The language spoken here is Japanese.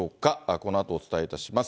このあとお伝えいたします。